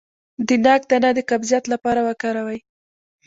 د ناک دانه د قبضیت لپاره وکاروئ